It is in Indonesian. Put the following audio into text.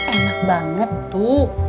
enak banget tuh